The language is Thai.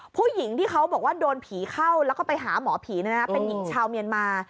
ผู้หญิงที่เขาบอกว่าโดนผีเข้าแล้วก็ไปหาหมอผีเป็นหญิงชาวเมียนมา